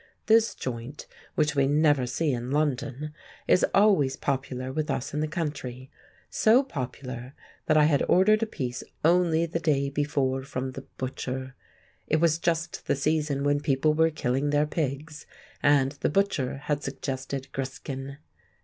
This joint—which we never see in London—is always popular with us in the country; so popular, that I had ordered a piece only the day before from the butcher. It was just the season when people were killing their pigs, and the butcher had suggested griskin.